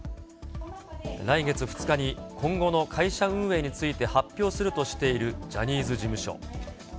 来月２日に今後の会社運営について発表するとしているジャニーズ事務所。